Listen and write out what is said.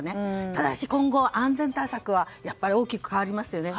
ただし今後、安全対策は大きく変わりますよね。